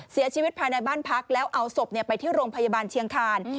เสียชีวิตภายในบ้านพักแล้วเอาศพไปที่โรงพยาบาลเชียงคาน